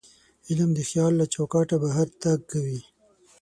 علم د خیال له چوکاټه بهر تګ کوي.